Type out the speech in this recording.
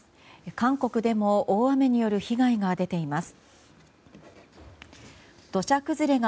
韓国でも大雨による被害が出ています。